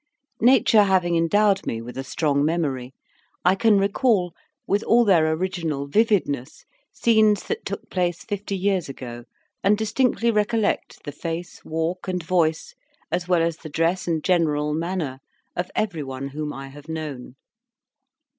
Nature having endowed me with a strong memory, I can recall with all their original vividness scenes that took place fifty years ago, and distinctly recollect the face, walk, and voice, as well as the dress and general manner, of everyone whom I have known.